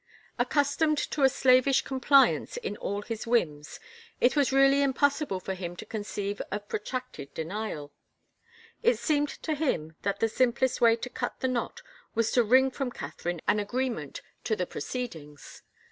Accus ^^^^ tomed to a slavish compliance in all his whims it was really impossible for him to conceive of protracted denial. It seemed to him that the simplest way to cut the knot was to wring from Catherine an agreement to the proceedings.